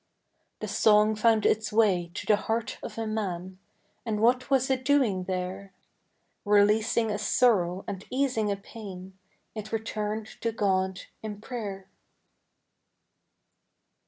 The song found its way to the heart of a man, And what was it doing there? Releasing a sorrow and easing a pain, It returned to God in prayer.